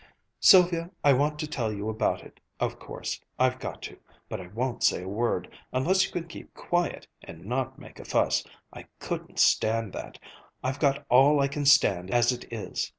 "Sylvia, I want to tell you about it, of course. I've got to. But I won't say a word, unless you can keep quiet, and not make a fuss. I couldn't stand that. I've got all I can stand as it is."